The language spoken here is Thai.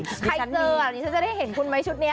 ใครเจอดิฉันจะได้เห็นคุณไหมชุดนี้